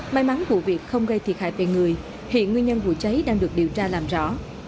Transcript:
may mắn vụ việc không gây thiệt hại về người hiện nguyên nhân vụ cháy đang được điều tra làm rõ